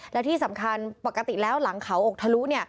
และที่สำคัญปกติแล้วหลังเขาอกทะลุ